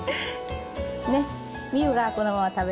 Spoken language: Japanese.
ねっ。